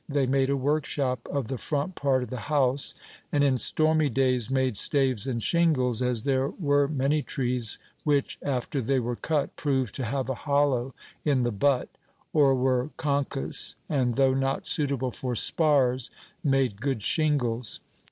They made a workshop of the front part of the house, and in stormy days made staves and shingles, as there were many trees, which, after they were cut, proved to have a hollow in the butt, or were "konkus," and, though not suitable for spars, made good shingles.